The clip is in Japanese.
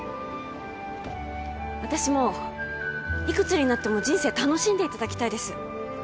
私もいくつになっても人生楽しんでいただきたいです